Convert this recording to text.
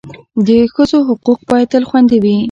د ښځو حقوق باید تل خوندي وي.